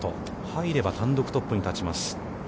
入れば単独トップに立ちます。